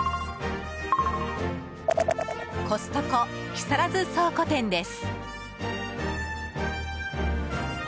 コストコ木更津倉庫店です。